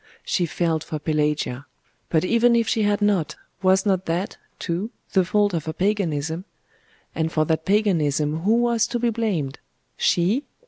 She felt for Pelagia, but even if she had not, was not that, too, the fault of her Paganism? And for that Paganism who was to be blamed? She?....